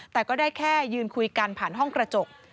แต่ก็ได้แค่ยืนคุยกันผ่านห้องกระจก